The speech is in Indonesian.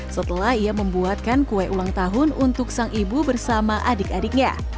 setelah ia membuatkan kue ulang tahun untuk sang ibu bersama adik adiknya